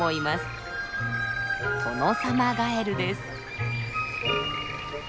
トノサマガエルです。